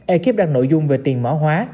ekip đăng nội dung về tiền mã hóa